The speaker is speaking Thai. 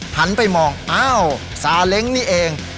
หันไปมองอ้าวซาเล้งนี่เอง